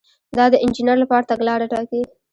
دا د انجینر لپاره تګلاره ټاکي.